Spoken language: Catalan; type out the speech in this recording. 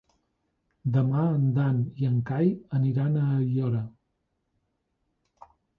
Demà en Dan i en Cai aniran a Aiora.